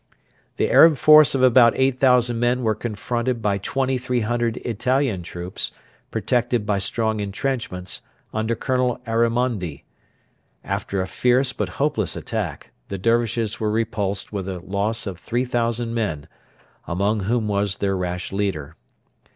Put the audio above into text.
The Arab force of about 8,000 men were confronted by 2,300 Italian troops, protected by strong entrenchments, under Colonel Arimondi. After a fierce but hopeless attack the Dervishes were repulsed with a loss of 3,000 men, among whom was their rash leader.